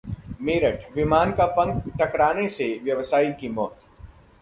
मेरठ: विमान का पंख टकराने से व्यवसायी की मौत